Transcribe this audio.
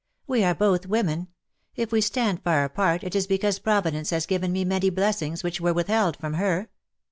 "We are both women. If we stand far apart it is because Providence has given me many blessings which were withheld from her.